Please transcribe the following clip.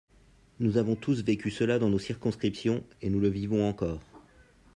Nous avons tous vécu cela dans nos circonscriptions, et nous le vivons encore.